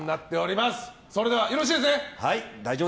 それではよろしいですか？